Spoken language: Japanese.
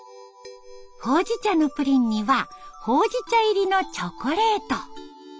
ほうじ茶のプリンにはほうじ茶入りのチョコレート。